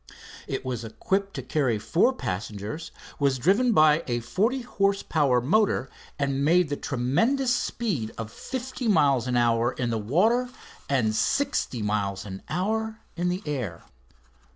It was equipped to carry four passengers, was driven by a forty horse power motor, and made the tremendous speed of fifty miles an hour in the water and sixty miles an hour in the air.